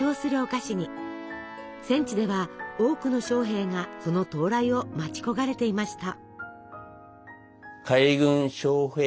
戦地では多くの将兵がその到来を待ち焦がれていました。